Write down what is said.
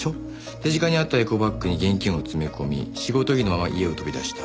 手近にあったエコバッグに現金を詰め込み仕事着のまま家を飛び出した。